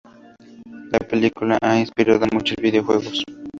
La película ha inspirado a muchos videojuegos.